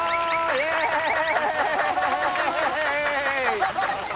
イエーイ！